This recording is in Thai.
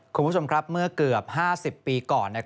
คุณผู้ชมครับเมื่อเกือบ๕๐ปีก่อน